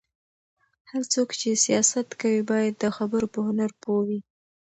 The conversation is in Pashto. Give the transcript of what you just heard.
هر څوک چې سياست کوي، باید د خبرو په هنر پوه وي.